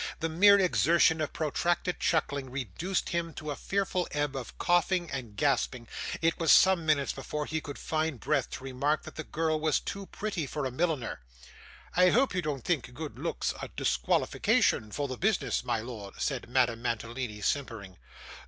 The mere exertion of protracted chuckling reduced him to a fearful ebb of coughing and gasping; it was some minutes before he could find breath to remark that the girl was too pretty for a milliner. 'I hope you don't think good looks a disqualification for the business, my lord,' said Madame Mantalini, simpering.